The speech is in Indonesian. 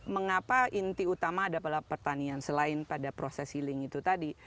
mengapa inti utama adalah pertanian selain pada proses healing itu tadi